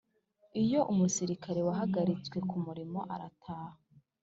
Iyo umusirikare wahagaritswe ku murimo arataha.